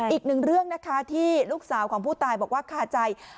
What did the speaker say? อีกหนึ่งเรื่องนะคะที่ลูกสาวของผู้ตายบอกว่าคาใจ